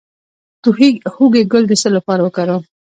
د هوږې ګل د څه لپاره وکاروم؟